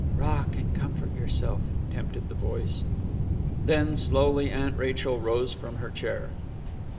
"Rock, and comfort yourself " tempted the voice. Then slowly Aunt Rachel rose from her chair.